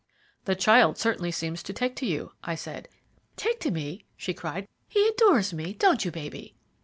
"The child certainly seems to take to you," I said. "Take to me!" she cried. "He adores me; don't you, baby?"